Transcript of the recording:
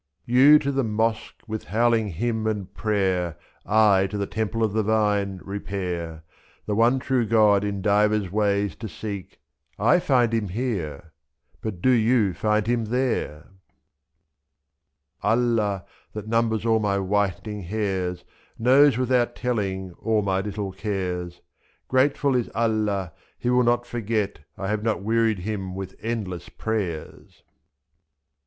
You to the mosque, with howling hymn and prayer^ I to the temple of the vine, repair, 2/2 The one true God in divers ways to seek; I find him here — but do you find him there? Allah, that numbers all my whitening hairs. Knows, without telling, all my little cares ; 2i3 . Grateful is Allah, he will not forget I have not wearied Him with endless prayers.